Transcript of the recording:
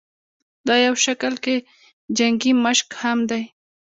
دا يو شکل کښې جنګي مشق هم دے